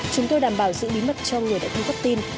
chúng tôi đảm bảo giữ bí mật cho người đã cung cấp tin